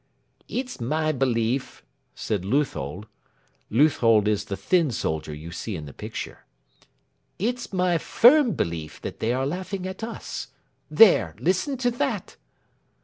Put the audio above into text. "It's my belief," said Leuthold (Leuthold is the thin soldier you see in the picture) "it's my firm belief that they are laughing at us. There! Listen to that!"